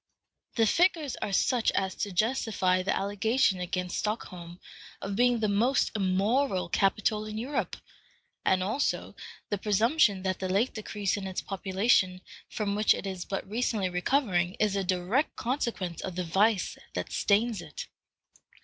The figures are such as to justify the allegation against Stockholm of being the most immoral capital in Europe, and also the presumption that the late decrease in its population, from which it is but recently recovering, is a direct consequence of the vice that stains it.